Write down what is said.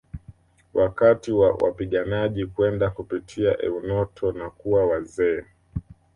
Wakati wa wapiganaji kwenda kupitia Eunoto na kuwa wazee